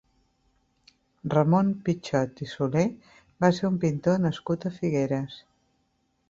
Ramon Pichot i Soler va ser un pintor nascut a Figueres.